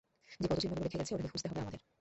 যে পদচিহ্নগুলো রেখে গেছে ওটাকে খুঁজতে হবে আমাদের।